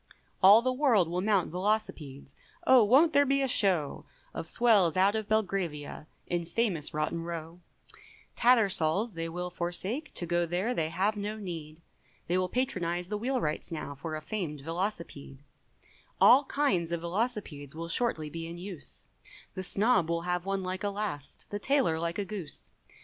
All the world will mount velocipedes, Oh wont there be a show Of swells out of Belgravia, In famous Rotten Row; Tattersall's they will forsake, To go there they have no need, They will patronise the wheel wright's now For a famed Velocipede, All kinds of Velocipedes Will shortly be in use, The snob will have one like a last, The tailor like a goose!